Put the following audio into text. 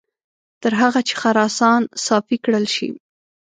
تر هغه چې خراسان صافي کړل شي.